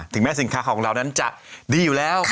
แม้สินค้าของเรานั้นจะดีอยู่แล้ว